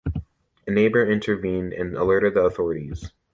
A neighbour intervened and alerted the authorities.